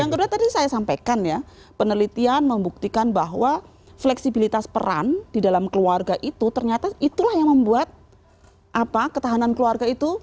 yang kedua tadi saya sampaikan ya penelitian membuktikan bahwa fleksibilitas peran di dalam keluarga itu ternyata itulah yang membuat ketahanan keluarga itu